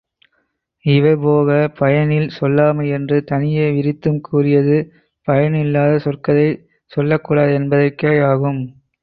இவை போக பயனில் சொல்லாமை என்று தனியே விரித்தும் கூறியது, பயனில்லாத சொற்களையும் சொல்லக்கூடாது என்பதற்கே யாகும்.